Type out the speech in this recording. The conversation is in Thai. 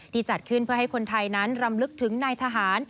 จัดขึ้นเพื่อให้คนไทยนั้นรำลึกถึงนายทหาร